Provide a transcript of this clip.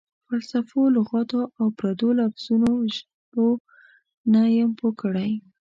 فلسفو، لغاتو او پردو لفظونو ژبو نه یم پوه کړی.